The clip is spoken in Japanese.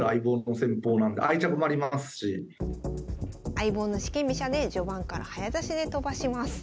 相棒の四間飛車で序盤から早指しで飛ばします。